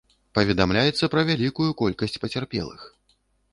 Паведамляецца пра вялікую колькасць пацярпелых.